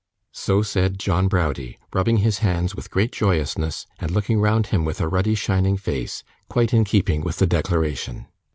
So said John Browdie, rubbing his hands with great joyousness, and looking round him with a ruddy shining face, quite in keeping with the declaration.